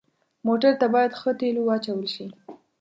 موټر ته باید ښه تیلو واچول شي.